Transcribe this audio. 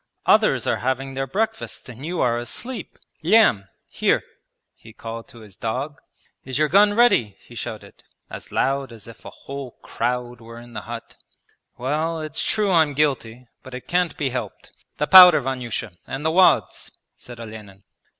'Others are having their breakfast and you are asleep! Lyam! Here!' he called to his dog. 'Is your gun ready?' he shouted, as loud as if a whole crowd were in the hut. 'Well, it's true I'm guilty, but it can't be helped! The powder, Vanyusha, and the wads!' said Olenin.